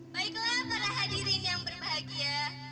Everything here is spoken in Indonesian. baiklah para hadirin yang berbahagia